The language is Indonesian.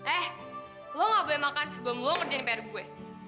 eh lo gak boleh makan sebelum lo kerjain pr gue